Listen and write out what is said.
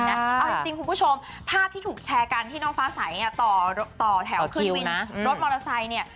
เอาจริงคุณผู้ชมภาพที่ถูกแชร์กันที่น้องฟ้าใสต่อแถวขึ้นวินรถมอเตอร์ไซค์เนี่ย